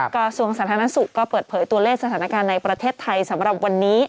กระทรวงสาธารณสุขก็เปิดเผยตัวเลขสถานการณ์ในประเทศไทยสำหรับวันนี้